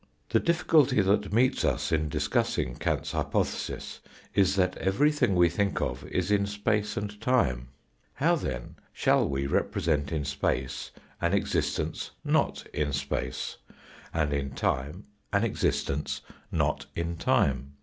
The difficulty that meets us in discussing Kant's hypothesis is that everything we think of is in space and time how then shall we represent in space an exis tence not in space, and in time an existence not in time